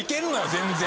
全然。